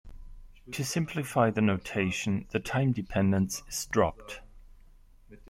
To simplify the notation, the time-dependence is dropped.